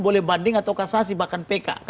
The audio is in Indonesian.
boleh banding atau kasasi bahkan pk